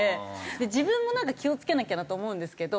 自分も気を付けなきゃなと思うんですけど。